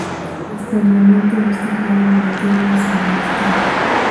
Hasta el momento no está claro el motivo de su muerte.